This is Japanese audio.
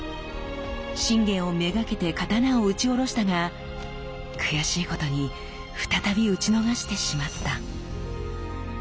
信玄を目がけて刀を打ち下ろしたが悔しいことに再び討ち逃してしまった。